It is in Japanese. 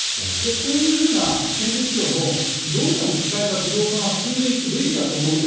こういうふうな建設業もどんどん機械化、自動化が進んでいくべきだと思っていて。